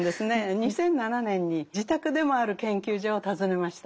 ２００７年に自宅でもある研究所を訪ねました。